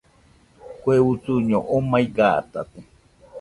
Kue usuño omai gatate